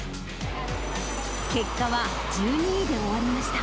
結果は１２位で終わりました。